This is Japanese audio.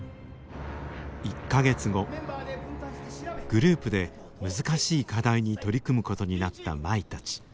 グループで難しい課題に取り組むことになった舞たち。